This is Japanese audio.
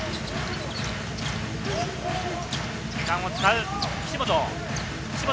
時間を使う、岸本。